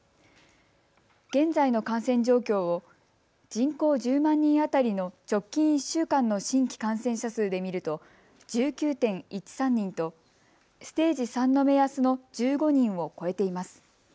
現在の感染状況を人口１０万人当たりの直近１週間の新規感染者数で見ると１９．１３人とステージ３の目安の１５人を超えています。